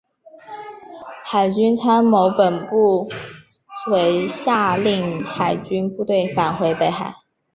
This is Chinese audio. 海军参谋本部遂下令海军部队返回北海。